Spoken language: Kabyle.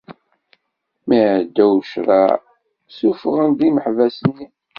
Mi iεedda ucareε, ssufɣen-d imeḥbas-nni.